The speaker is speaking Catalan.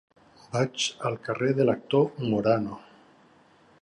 Vaig al carrer de l'Actor Morano.